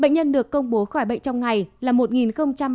bệnh nhân được công bố khỏi bệnh trong ngày